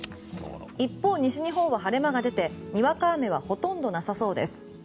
一方、西日本は晴れ間が出てにわか雨はほとんどなさそうです。